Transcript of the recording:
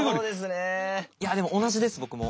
いやでも同じです僕も。